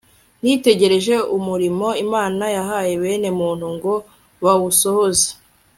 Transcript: nitegereje umurimo imana yahaye bene muntu ngo bawusohoze